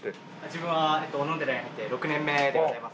自分はおのでらに入って６年目でございます。